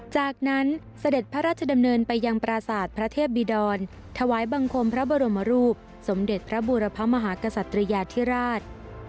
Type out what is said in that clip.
จากนั้นเสด็จพระราชดำเนินไปยังปราศาสตร์พระเทพบิดรถวายบังคมพระบรมรูปสมเด็จพระบูรพมหากษัตริยาธิราช